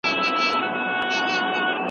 تاسو بې ساري یاست.